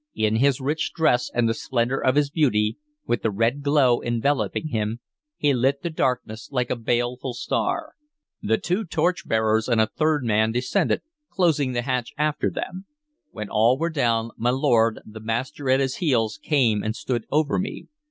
In his rich dress and the splendor of his beauty, with the red glow enveloping him, he lit the darkness like a baleful star. The two torchbearers and a third man descended, closing the hatch after them. When all were down, my lord, the master at his heels, came and stood over me.